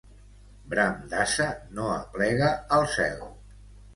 Bram d'ase no aplega al cel.